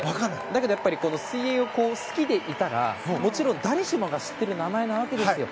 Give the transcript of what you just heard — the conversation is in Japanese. だけど、水泳を好きでいたらもちろん誰しもが知っている名前なわけですよ。